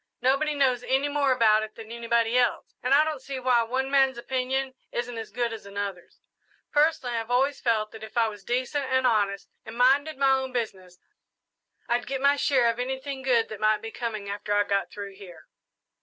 Nobody knows any more about it than anybody else, and I don't see why one man's opinion isn't as good as another's. Personally, I have always felt that if I was decent and honest and minded my own business, I'd get my share of anything good that night be coming after I got through here.